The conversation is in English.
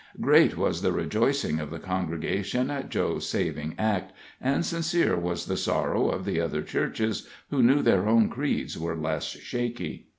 Great was the rejoicing of the congregation at Joe's saving act, and sincere was the sorrow of the other churches, who knew their own creeds were less shaky.